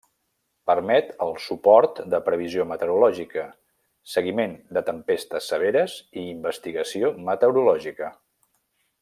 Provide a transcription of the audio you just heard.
Permet el suport de previsió meteorològica, seguiment de tempestes severes i investigació meteorològica.